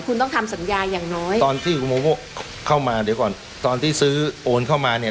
คุณต้องทำสัญญาอย่างน้อยตอนที่อุโมงเข้ามาเดี๋ยวก่อนตอนที่ซื้อโอนเข้ามาเนี่ย